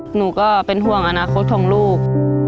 หนูก็เป็นห่วงอนาคตของลูก